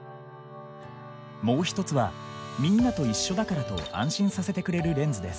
もう一つは「みんなと一緒だから」と安心させてくれるレンズです。